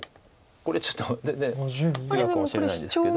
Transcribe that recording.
これちょっと全然違うかもしれないんですけども。